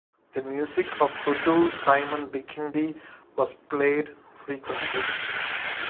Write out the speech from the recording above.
The music of Hutu Simon Bikindi was played frequently.